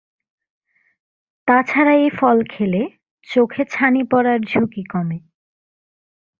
তা ছাড়া এ ফল খেলে চোখে ছানি পড়ার ঝুঁকি কমে।